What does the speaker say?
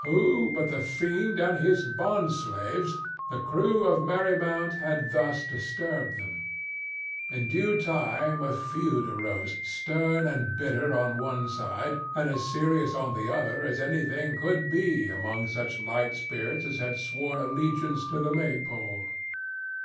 Who but the fiend and his bond slaves the crew of Merry Mount had thus disturbed them? In due time a feud arose, stern and bitter on one side, and as serious on the other as anything could be among such light spirits as had sworn allegiance to the Maypole.